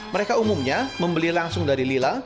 mereka umumnya membeli langsung dari lila